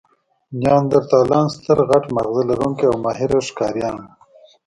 نیاندرتالان ستر، غټ ماغزه لرونکي او ماهره ښکاریان وو.